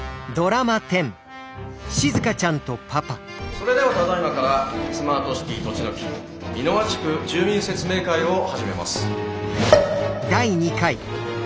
それではただいまからスマートシティとちのき美ノ和地区住民説明会を始めます。